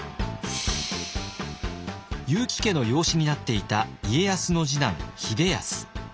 結城家の養子になっていた家康の次男秀康。